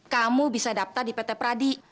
kamu bisa daftar di pt pradi